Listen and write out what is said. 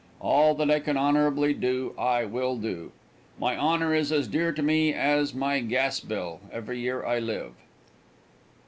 All that I can honorably do, I will do. My honor is as dear to me as my gas bill every year I live.